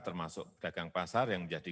termasuk dagang pasar yang menjadi